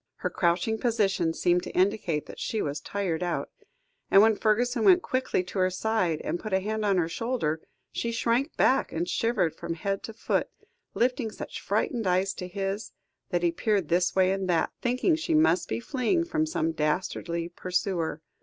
Her crouching position seemed to indicate that she was tired out, and when Fergusson went quickly to her side, and put a hand on her shoulder, she shrank back and shivered from head to foot, lifting such frightened eyes to his, that he peered this way and that, thinking she must be fleeing from some dastardly pursuer.